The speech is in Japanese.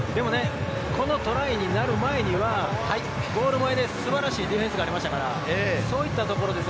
このトライになる前にゴール前で素晴らしいディフェンスがありましたから、そういったところです。